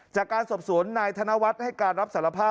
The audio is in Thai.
จากการสอบสวนนายธนวัฒน์ให้การรับสารภาพ